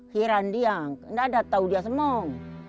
hiram dia tidak ada yang tahu dia semua